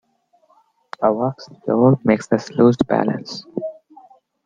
A waxed floor makes us lose balance.